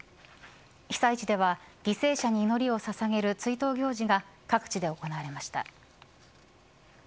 被災地では犠牲者に祈りをささげる追悼行事が各地で行われました。